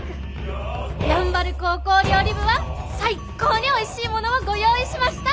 山原高校料理部は最高においしいものをご用意しました！